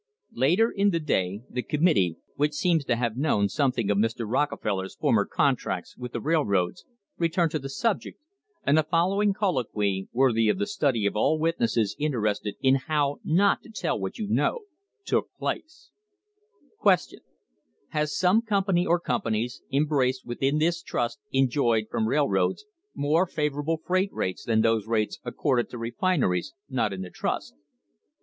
Later in the day the committee, which seems to have known something of Mr. Rockefeller's former contracts with the railroads, returned to the subject, and the following colloquy, worthy of the study of all witnesses interested in how not to tell what you know, took place: Q. Has not some company or companies embraced within this trust enjoyed from railroads more favourable freight rates than those rates accorded to refineries not in the trust